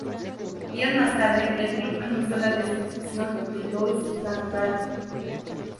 Días más tarde, el club anunció la destitución de Louis Van Gaal.